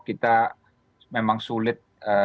kita memang sulit